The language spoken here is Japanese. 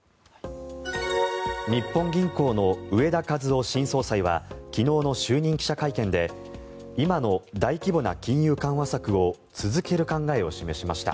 日本銀行の植田和男新総裁は昨日の就任記者会見で今の大規模な金融緩和策を続ける考えを示しました。